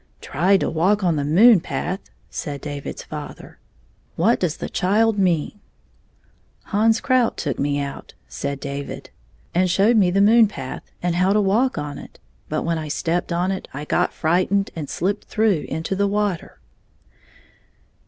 "Tried to walk on the moon path!" said David's father. "What does the child meani" "Hans Krout took me out," said David, "and 29 showed me the moon path, and how to walk on it; but when I stepped on it I got frightened and slipped through into the water."